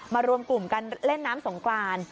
รวมกลุ่มกันเล่นน้ำสงกราน